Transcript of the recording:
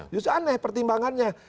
justru aneh pertimbangannya